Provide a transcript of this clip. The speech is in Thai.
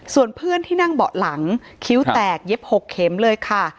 ส่วนเพื่อนที่นั่งเบาะหลังคิ้วแตกเย็บ๖เข็มเลยค่ะ